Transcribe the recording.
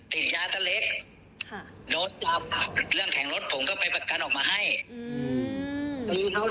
เดี๋ยวผมมาอยู่ร้อยคนเนี่ยร้อยคนก็ไม่ถูกกับเขาคันนั้นเอง